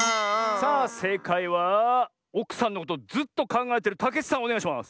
さあせいかいはおくさんのことずっとかんがえてるたけちさんおねがいします！